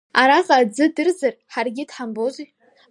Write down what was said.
Араҟа аӡы дырзар, ҳаргьы дҳамбози?